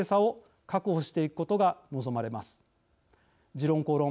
「時論公論」